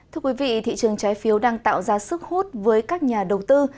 thưa quý vị thị trường trái phiếu đang tạo ra sức hút với các nhà đầu tư